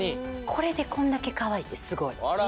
これでこんだけカワイイってすごい！